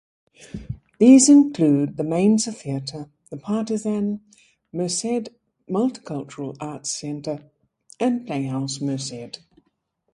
These include The Mainzer Theater, The Partisan, Merced Multicultural Arts Center, and Playhouse Merced.